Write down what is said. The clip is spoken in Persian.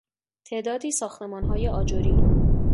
تعدادی ساختمانهای آجری